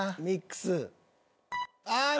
ミックスあ！